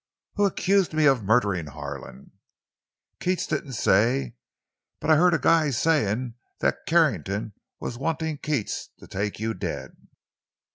"Who accused me of murdering Harlan?" "Keats didn't say. But I heard a guy sayin' that Carrington was wantin' Keats to take you dead!"